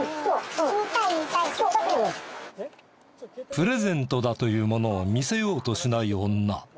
プレゼントだというものを見せようとしない女。